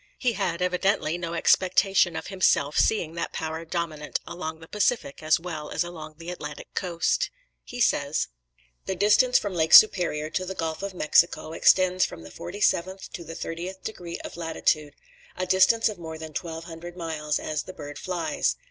He had evidently no expectation of himself seeing that power dominant along the Pacific as well as along the Atlantic coast. He says: "The distance from Lake Superior to the Gulf of Mexico extends from the 47th to the 30th degree of latitude, a distance of more than 1,200 miles, as the bird flies.